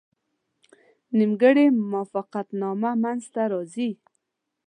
نیمګړې موافقتنامه منځته راځي.